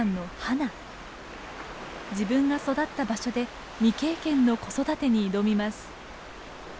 自分が育った場所で未経験の子育てに挑みます。